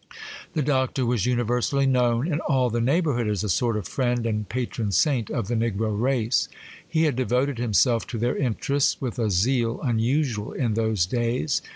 The Doctor was universally known in all the neighbourhood as a sort of friend and patron saint of the negro race; he had devoted himself to their interests with a zeal unusual in those days.